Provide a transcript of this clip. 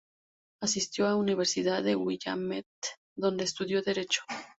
Asistió a Universidad de Willamette, donde estudió Derecho.